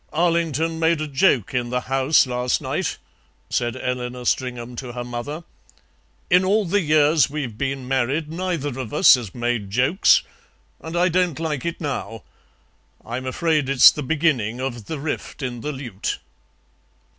"Arlington made a joke in the House last night," said Eleanor Stringham to her mother; "in all the years we've been married neither of us has made jokes, and I don't like it now. I'm afraid it's the beginning of the rift in the lute."